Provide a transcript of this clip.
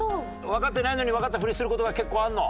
わかってないのにわかったふりする事が結構あるの？